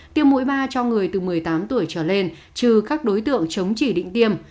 tiêm mũi ba cho người từ một mươi tám tuổi trở lên trừ các đối tượng chống chỉ định tiêm